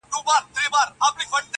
ټول ژوند د غُلامانو په رکم نیسې,